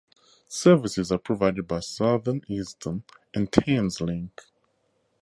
Services are provided by Southeastern, and Thameslink.